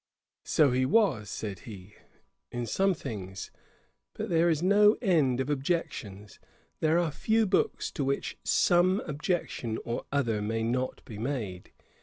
'So he was, (said he,) in some things; but there is no end of objections. There are few books to which some objection or other may not be made.'